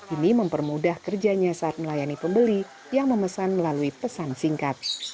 ini mempermudah kerjanya saat melayani pembeli yang memesan melalui pesan singkat